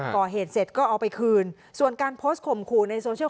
ก่อเหตุเสร็จก็เอาไปคืนส่วนการโพสต์ข่มขู่ในโซเชียล